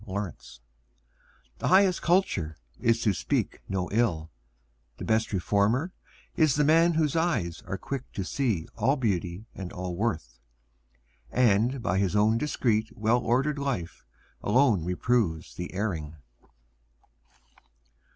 TRUE CULTURE The highest culture is to speak no ill, The best reformer is the man whose eyes Are quick to see all beauty and all worth; And by his own discreet, well ordered life, Alone reproves the erring.